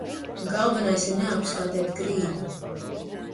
Galvenais ir neapskādēt grīdu.